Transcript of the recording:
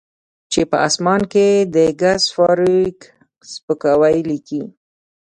چې په اسمان کې د ګس فارویک سپکاوی لیکي